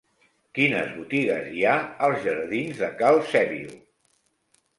Quines botigues hi ha als jardins de Cal Sèbio?